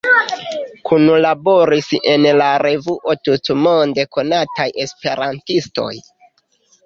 Kunlaboris en la revuo tutmonde konataj esperantistoj.